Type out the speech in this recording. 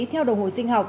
theo đồng hồ sinh học